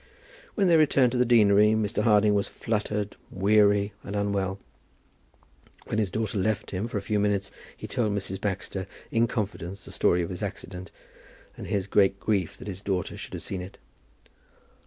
When they returned to the deanery, Mr. Harding was fluttered, weary, and unwell. When his daughter left him for a few minutes he told Mrs. Baxter, in confidence, the story of his accident, and his great grief that his daughter should have seen it.